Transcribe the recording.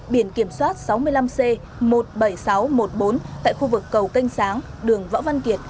biển kiểm soát sáu mươi năm c một mươi bảy nghìn sáu trăm một mươi bốn tại khu vực cầu canh sáng đường võ văn kiệt